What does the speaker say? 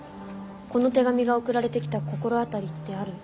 この手紙が送られてきた心当たりってある？